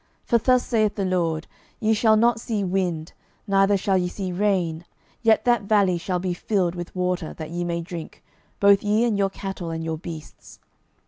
12:003:017 For thus saith the LORD, Ye shall not see wind, neither shall ye see rain; yet that valley shall be filled with water, that ye may drink, both ye, and your cattle, and your beasts.